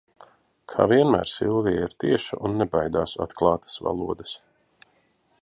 Kā vienmēr Silvija ir tieša un nebaidās atklātas valodas.